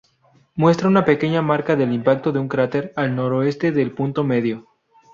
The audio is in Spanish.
Muestra una pequeña marca del impacto de un cráter al noroeste del punto medio.